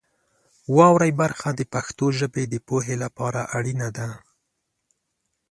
واورئ برخه د پښتو ژبې د پوهې لپاره اړینه ده.